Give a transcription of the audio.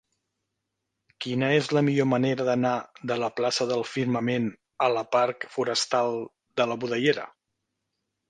Quina és la millor manera d'anar de la plaça del Firmament a la parc Forestal de la Budellera?